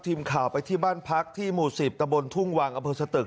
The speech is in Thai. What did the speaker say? ทีมข่าวไปที่บ้านพักที่หมู่๑๐ตะบนทุ่งวังอำเภอสตึก